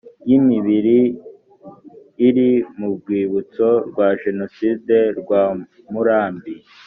ry imibiri iri mu rwibutso rwa jenoside rwa murambi